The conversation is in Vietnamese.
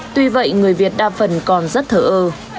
tuy vậy người việt đa phần còn rất thở ơ